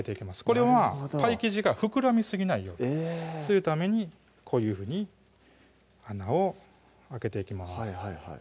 これはパイ生地が膨らみすぎないようにするためにこういうふうに穴を開けていきます